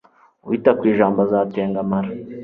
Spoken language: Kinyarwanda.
uwita ku ijambo azatengamara